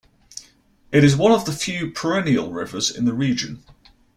It is one of the few perennial rivers in the region.